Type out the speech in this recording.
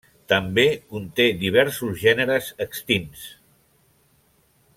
També conté diversos gèneres extints.